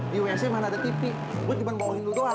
di usm ada tv gue cuma ngomongin lu doang